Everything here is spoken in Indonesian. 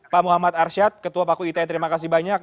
pak muhammad arsyad ketua paku ite terima kasih banyak